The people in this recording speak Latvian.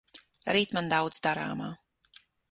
Rīt man daudz darāmā.